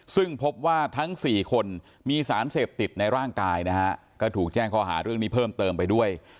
ซึ่งพบว่าทั้ง๔คนมีสารเสพติดในร่างกายนะฮะก็ถูกแจ้งข้อหาเรื่องนี้เพิ่มเติมไปด้วย